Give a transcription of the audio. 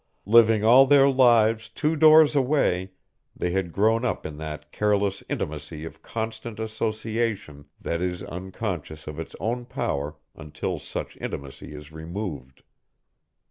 Living all their lives two doors away, they had grown up in that careless intimacy of constant association that is unconscious of its own power until such intimacy is removed.